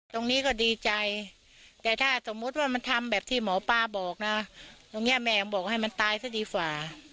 ตรงนี้ก็ดีใจแต่ถ้าสมมุติว่ามันทำแบบที่หมอปลาบอกนะตรงนี้แม่บอกให้มันตายซะดีกว่า